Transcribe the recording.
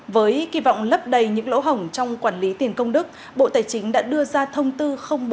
với kỳ vọng lấp đầy những lỗ hổng trong quản lý tiền công đức bộ tài chính đã đưa ra thông tư bốn hai nghìn hai mươi ba